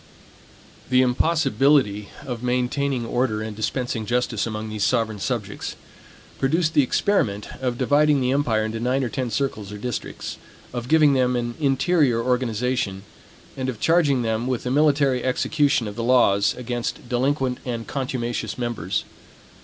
The impossibility of maintaining order and dispensing justice among these sovereign subjects, produced the experiment of dividing the empire into nine or ten circles or districts; of giving them an interior organization, and of charging them with the military execution of the laws against delinquent and contumacious members.